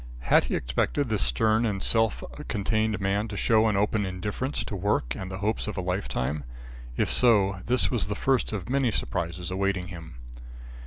Had he expected this stern and self contained man to show an open indifference to work and the hopes of a lifetime? If so, this was the first of the many surprises awaiting him.